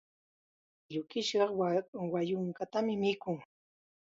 Yukisqa wayquytatam mikun.